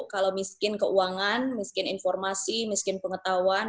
kalau miskin keuangan miskin informasi miskin pengetahuan